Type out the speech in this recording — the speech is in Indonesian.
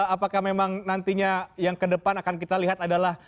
apakah memang nantinya yang kedepan akan kita lihat adalah